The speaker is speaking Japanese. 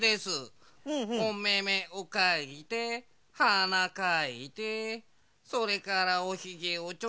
おめめをかいてはなかいてそれからおひげをチョンチョンと。